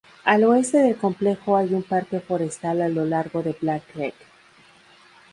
Al oeste del complejo hay un parque forestal a lo largo de Black Creek.